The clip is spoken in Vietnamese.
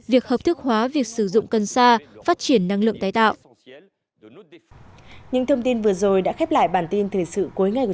việc hợp thức hóa việc sử dụng cân xa phát triển năng lượng tái tạo